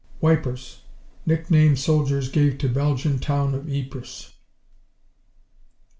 Wipers Nickname soldiers gave to Belgian town of Ypres.